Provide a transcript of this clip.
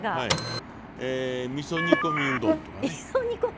みそ煮込みうどんとかね。